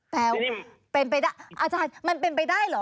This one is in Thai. แปลว่าเป็นไปได้อาจารย์มันเป็นไปได้เหรอ